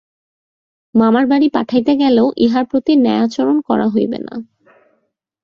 মামার বাড়ি পাঠাইতে গেলেও ইহার প্রতি ন্যায়াচরণ করা হইবে না।